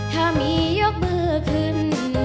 ถ้ามียกมือขึ้น